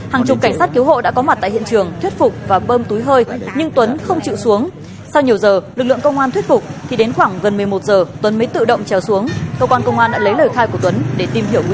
hãy đăng ký kênh để ủng hộ kênh của chúng mình nhé